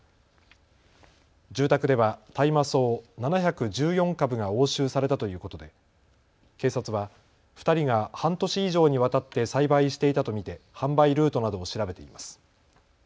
住宅では大麻草７１４株が押収されたということで警察は２人が半年以上にわたって栽培していたと見て販売ルートなどを調べています。